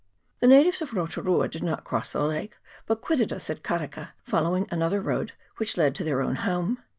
The na tives of Rotu rua did not cross the lake, but quitted us at Kareka, following another road which led to their own home.